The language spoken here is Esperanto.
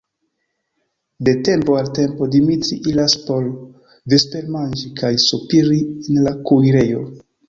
De tempo al tempo Dimitri iras por vespermanĝi kaj sopiri en la kuirejo.